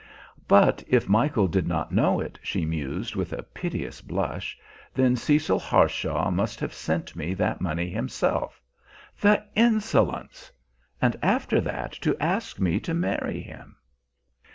"But if Michael did not know it," she mused, with a piteous blush, "then Cecil Harshaw must have sent me that money himself the insolence! And after that to ask me to marry him!"